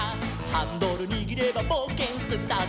「ハンドルにぎればぼうけんスタート！」